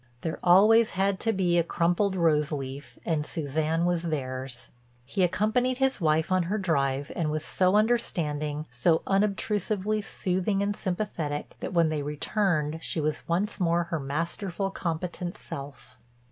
There always had to be a crumpled rose leaf and Suzanne was theirs. He accompanied his wife on her drive and was so understanding, so unobtrusively soothing and sympathetic, that when they returned she was once more her masterful, competent self.